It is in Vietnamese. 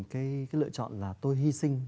cái lựa chọn là tôi hy sinh